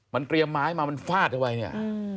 มันเตรียมไม้มามันฟาดเข้าไปเนี่ย